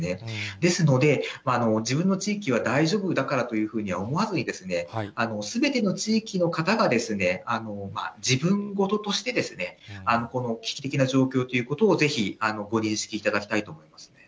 ですので、自分の地域は大丈夫だからというふうには思わずに、すべての地域の方が、自分事として、この危機的な状況ということをぜひご認識いただきたいと思いますね。